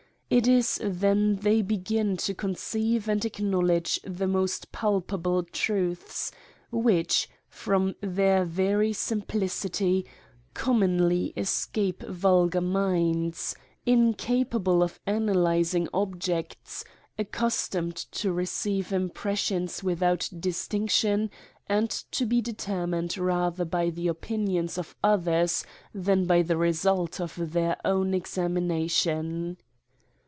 It is then they begin to conceive and acknowledge the most palpable truths, which, from their very simplicity, commonly escape vul gar minds, incapable of analysing objects, accus tomed to receive impressions without distinction, xi INTRODUCTION, and to be determined rather by the opinions, of others than by the result of their own examination.